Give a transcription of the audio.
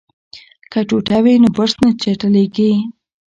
که ټوټه وي نو برس نه چټلیږي.